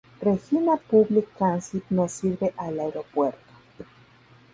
Regina Public Transit no sirve al aeropuerto.